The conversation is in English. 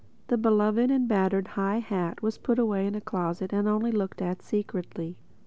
The beloved and battered high hat was put away in a closet and only looked at secretly.